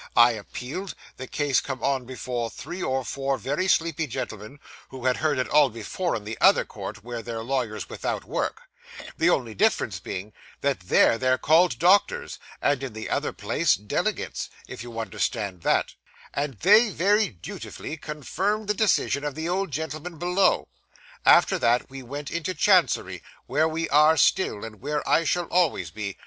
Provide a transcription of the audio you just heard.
I appealed; the case come on before three or four very sleepy gentlemen, who had heard it all before in the other court, where they're lawyers without work; the only difference being, that, there, they're called doctors, and in the other place delegates, if you understand that; and they very dutifully confirmed the decision of the old gentleman below. After that, we went into Chancery, where we are still, and where I shall always be.